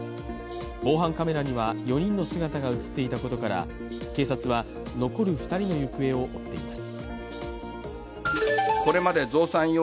防犯カメラには４人の姿が映っていたことから警察は残る２人の行方を追っています。